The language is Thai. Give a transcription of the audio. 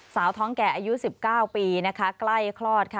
สาวท้องแก่อายุ๑๙ปีใกล้คลอด